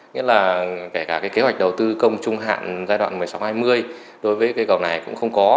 nghĩa là kể cả kế hoạch đầu tư công trung hạn giai đoạn một mươi sáu hai mươi đối với cây cầu này cũng không có